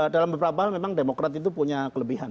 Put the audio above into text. dalam beberapa hal memang demokrat itu punya kelebihan